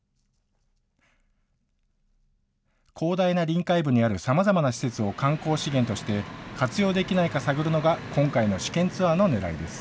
広大な臨海部にあるさまざまな施設を観光資源として、活用できないか探るのが今回の試験ツアーのねらいです。